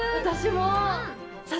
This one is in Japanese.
私も！